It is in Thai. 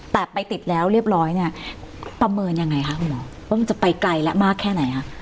แต่ไปติดแล้วเรียบร้อยเนี่ยประเมินยังไงคะคุณหมอว่ามันจะไปไกลและมากแค่ไหนคะ